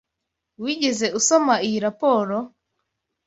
Wigeze usoma iyi raporo?